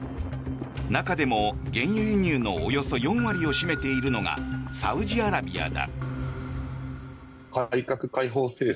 中でも原油輸入のおよそ４割を占めているのがサウジアラビアだ。